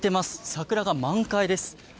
桜が満開です。